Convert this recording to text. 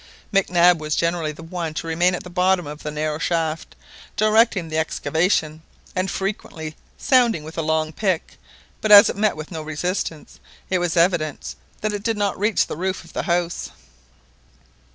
Mac Nab was generally the one to remain at the bottom of the narrow shaft, directing the excavation, and frequently sounding with a long pick, but as it met with no resistance, it was evident that it did not reach the roof of the house.